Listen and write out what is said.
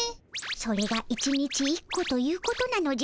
それが１日１個ということなのじゃ。